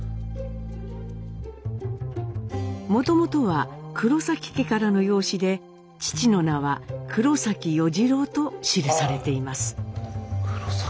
もともとは黒家からの養子で父の名は黒与次郎と記されています。